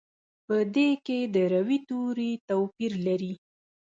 په دې کې د روي توري توپیر لري.